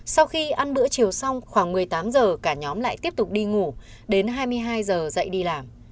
sau khi ăn bữa chiều xong khoảng một mươi tám h cả nhóm lại tiếp tục đi ngủ đến hai mươi hai h dậy đi làm